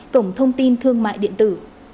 cổng thông tin thương mại điện tử